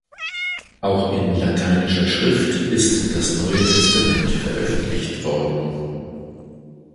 Auch in lateinischer Schrift ist das Neue Testament veröffentlicht worden.